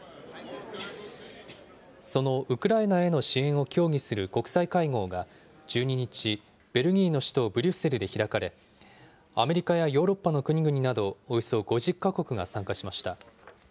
そのウクライナへの支援を協議する国際会合が１２日、ベルギーの首都ブリュッセルで開かれ、アメリカやヨーロッパの国々などおよそ５０か国が参加しました。